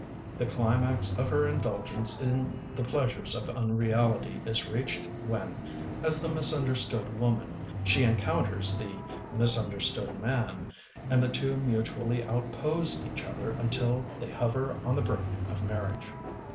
The climax of her indulgence in the pleasures of unreal ity is reached when, as the Misunderstood Woman, she encounters the Misunderstood Man, and the two mutually outpose each other until they hover on the brink of marriage.